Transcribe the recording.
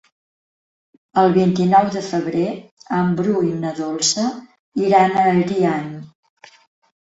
El vint-i-nou de febrer en Bru i na Dolça iran a Ariany.